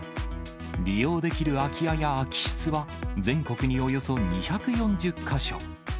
利用できる空き家や空き室は、全国におよそ２４０か所。